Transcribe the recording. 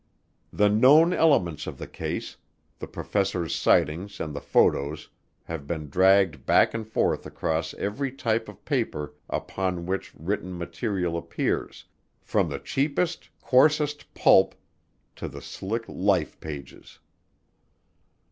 The known elements of the case, the professors' sightings and the photos, have been dragged back and forth across every type of paper upon which written material appears, from the cheapest, coarsest pulp to the slick Life pages.